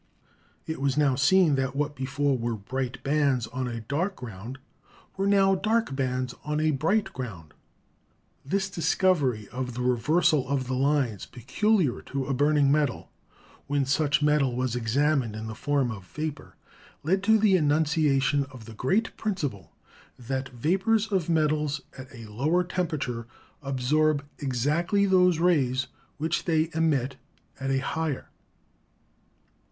It was now seen that what before were bright bands on a dark ground were now dark bands on a bright ground. This discovery of the reversal of the lines peculiar to a burning metal, when such metal was exam ined in the form of vapor, led to the enunciation of the great principle that "vapors of metals at a lower tempera ture absorb exactly those rays which they emit at a higher."